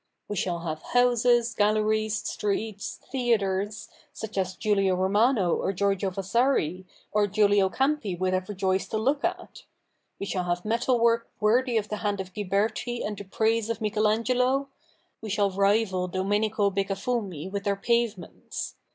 We shall have houses, galleries, streets, CH. i] THE NEW REPUBLIC 189 theatres, such as GiuUo Romano or Giorgio Vasari, or Giuho Campi would have rejoiced to look at ; we shall have metal work worthy of the hand of Ghiberti and the praise of Michel Angelo : we shall rival Domenico Beccafumi with our pavements.